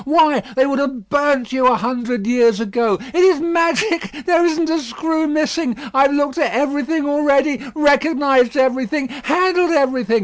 Why, they would have burnt you a hundred years ago! It is magic! There isn't a screw missing. I have looked at everything already, recognised everything, handled everything.